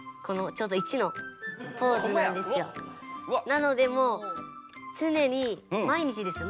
なのでもうつねに毎日ですよ